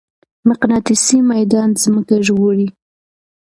مقناطيسي ميدان ځمکه ژغوري.